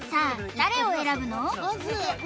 誰を選ぶの？